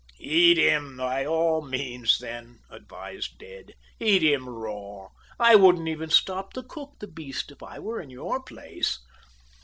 "Eat him, by all means, then," advised Ned. "Eat him raw. I wouldn't even stop to cook the beast if I were in your place."